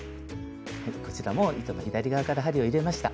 こちらも糸の左側から針を入れました。